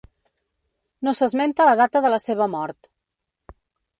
No s'esmenta la data de la seva mort.